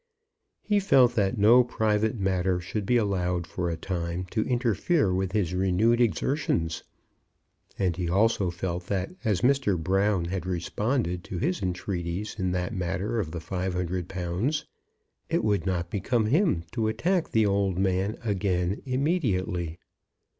He felt that no private matter should be allowed for a time to interfere with his renewed exertions; and he also felt that as Mr. Brown had responded to his entreaties in that matter of the five hundred pounds, it would not become him to attack the old man again immediately.